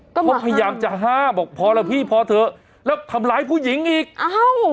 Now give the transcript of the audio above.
เขาพยายามจะห้ามบอกพอแล้วพี่พอเถอะแล้วทำร้ายผู้หญิงอีกอ้าว